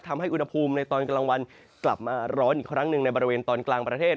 ทำให้อุณหภูมิในตอนกลางวันกลับมาร้อนอีกครั้งหนึ่งในบริเวณตอนกลางประเทศ